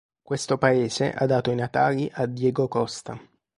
Questo paese ha dato i natali a Diego Costa